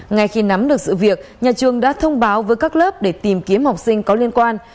ngay khi nắm được sự việc nhà trường đã thông báo với các lớp để tìm kiếm học sinh có liên quan